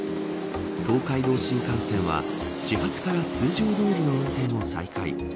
東海道新幹線は始発から通常どおりの運転を再開。